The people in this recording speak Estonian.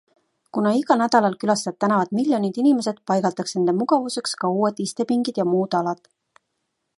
Kuna igal nädalal külastavad tänavat miljonid inimesed, paigaldatakse nende mugavuseks ka uued istepingid ja muud alad.